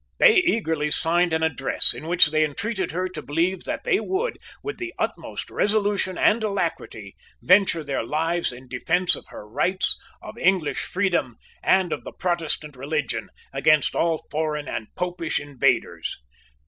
They eagerly signed an address in which they entreated her to believe that they would, with the utmost resolution and alacrity, venture their lives in defence of her rights, of English freedom and of the Protestant religion, against all foreign and Popish invaders.